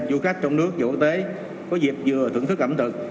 du khách trong nước vũ tế có dịp vừa thưởng thức ẩm thực